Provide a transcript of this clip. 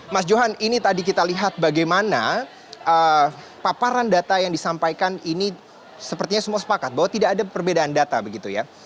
mas johan ini tadi kita lihat bagaimana paparan data yang disampaikan ini sepertinya semua sepakat bahwa tidak ada perbedaan data begitu ya